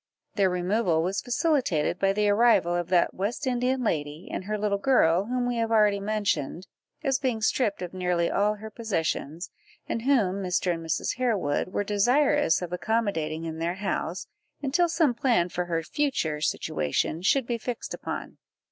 Their removal was facilitated by the arrival of that West Indian lady and her little girl, whom we have already mentioned, as being stripped of nearly all her possessions, and whom Mr. and Mrs. Harewood were desirous of accommodating in their house, until some plan for her future situation should be fixed upon.